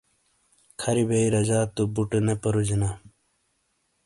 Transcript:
کھَری بئیی رجا تو بُٹے نے پرُوجینا۔